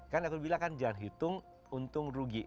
kan aku bilang kan jangan hitung untung rugi